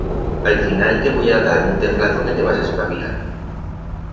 A'l final te voi a dar un teflazo que te vas a espabilar.